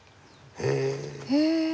へえ。